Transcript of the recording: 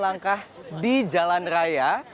langkah demi langkah di jalan raya